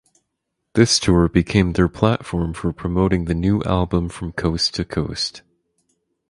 This tour became their platform for promoting the new album from coast to coast.